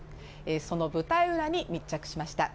その舞台裏に密着しました。